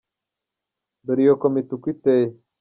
Dore iyo komite uko iteye :.